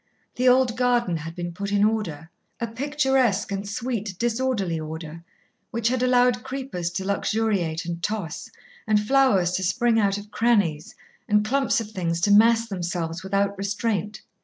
The old garden had been put in order a picturesque and sweet disorderly order, which had allowed creepers to luxuriate and toss, and flowers to spring out of crannies, and clumps of things to mass themselves without restraint.